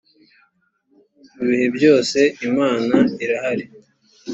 mu bihe byose imana irahari.